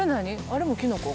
あれもキノコ？